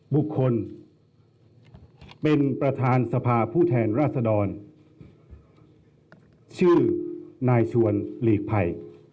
บุคคลเป็นประธานสภาผู้แทนราษดรชื่อนายชวนหลีกภัย